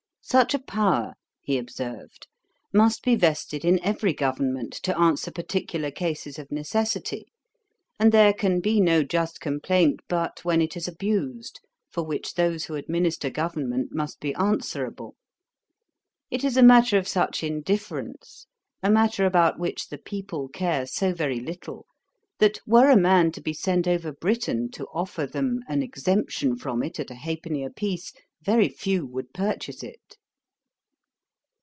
'Such a power' (he observed,) 'must be vested in every government, to answer particular cases of necessity; and there can be no just complaint but when it is abused, for which those who administer government must be answerable. It is a matter of such indifference, a matter about which the people care so very little, that were a man to be sent over Britain to offer them an exemption from it at a halfpenny a piece, very few would purchase it.'